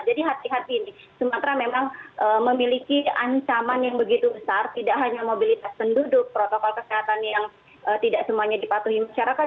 jadi hati hati sumatra memang memiliki ancaman yang begitu besar tidak hanya mobilitas penduduk protokol kesehatan yang tidak semuanya dipatuhi masyarakat